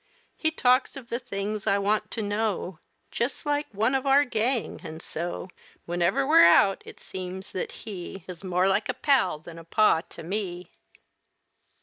He talks of the things I want to know, Just like one of our gang, an' so, Whenever we're out, it seems that he Is more like a pal than a pa to me.